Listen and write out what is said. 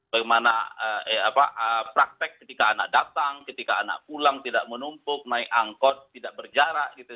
bagaimana praktek ketika anak datang ketika anak pulang tidak menumpuk naik angkot tidak berjarak gitu